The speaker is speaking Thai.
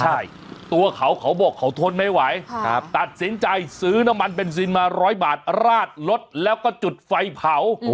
ใช่ตัวเขาเขาบอกเขาทนไม่ไหวตัดสินใจซื้อน้ำมันเบนซินมา๑๐๐บาทราดรถแล้วก็จุดไฟเผา